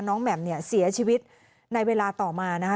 แหม่มเนี่ยเสียชีวิตในเวลาต่อมานะคะ